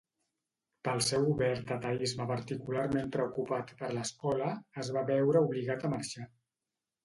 Pel seu obert ateisme particularment preocupat per l'escola, es va veure obligat a marxar.